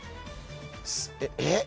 えっ？